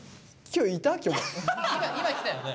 今来たよね？